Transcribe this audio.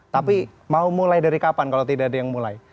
tapi mau mulai dari kapan kalau tidak ada yang mulai